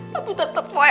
tapi tetep boy